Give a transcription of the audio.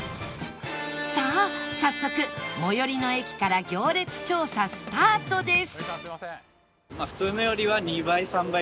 さあ早速最寄りの駅から行列調査スタートです